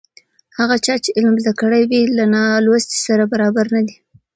هغه چا چې علم زده کړی وي له نالوستي سره برابر نه دی.